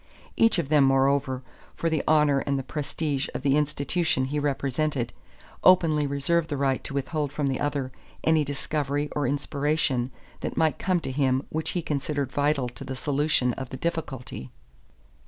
Each of them, moreover, for the honor and prestige of the institution he represented, openly reserved the right to withhold from the other any discovery or inspiration that might come to him which he considered vital to the solution of the difficulty.